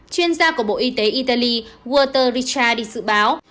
chuyên gia của bộ y tế italy walter ricciardi dự báo